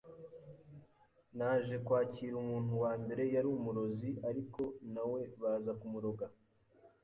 naje kwakira umuntu wa mbere yari umurozi ariko na we baza kumuroga